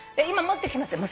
「今持ってきます」